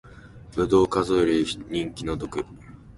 ぶどう数えてる人気の毒